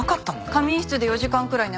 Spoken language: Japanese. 仮眠室で４時間くらい寝ました。